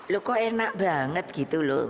loh kok enak banget gitu loh